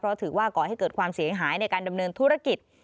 เพราะถือว่าก่อให้เกิดความเสียหายในการดำเนินธุรกิจ